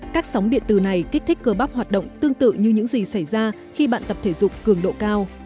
các sóng điện từ này kích thích cơ bắp hoạt động tương tự như những gì xảy ra khi bạn tập thể dục cường độ cao